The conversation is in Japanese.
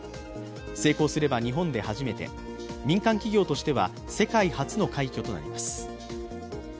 成功すれば日本で初めて、民間企業としては世界初の快挙となります。